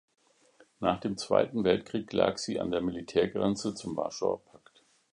Nach dem Zweiten Weltkrieg lag sie an der Militärgrenze zum Warschauer Pakt.